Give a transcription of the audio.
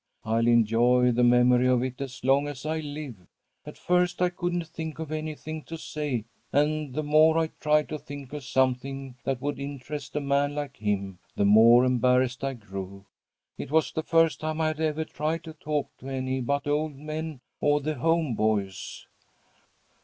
I'll enjoy the memory of it as long as I live. At first I couldn't think of anything to say, and the more I tried to think of something that would interest a man like him, the more embarrassed I grew. It was the first time I had ever tried to talk to any but old men or the home boys.